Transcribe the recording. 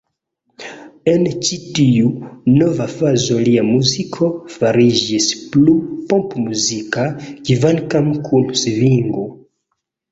En ĉi-tiu nova fazo lia muziko fariĝis plu popmuzika, kvankam kun svingo.